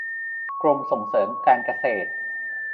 กรมส่งเสริมการเกษตร